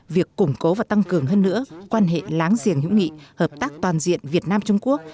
việc củng cố và tăng cường hơn nữa quan hệ láng giềng hữu nghị hợp tác toàn diện việt nam trung quốc